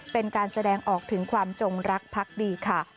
เป็นการแสดงออกถึงความจงรักพักดีค่ะ